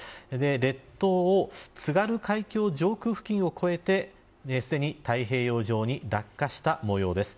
列島を津軽海峡上空付近を越えてすでに太平洋上に落下した模様です。